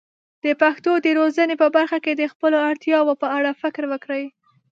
د پښتو د روزنې په برخه کې د خپلو اړتیاوو په اړه فکر وکړي.